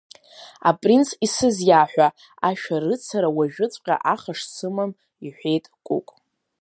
Апринц исызиаҳәа ашәарыцара уажәыҵәҟьа аха шсымам, — иҳәеит Кәыкә.